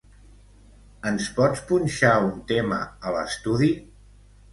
Ens pots punxar un tema a l'estudi?